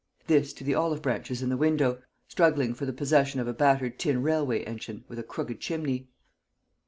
This to the olive branches in the window, struggling for the possession of a battered tin railway engine with a crooked chimney.